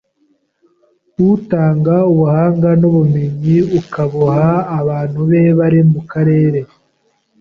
Utanga ubuhanga n’ubumenyi akabuha abantu be bari mu karere